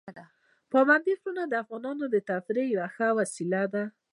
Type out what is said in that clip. پابندي غرونه د افغانانو د تفریح یوه ښه وسیله ده.